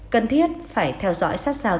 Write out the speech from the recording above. cần thiết phải theo dõi sát sao